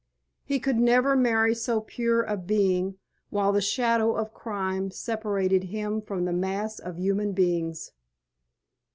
He could never marry so pure a being while the shadow of crime separated him from the mass of human beings.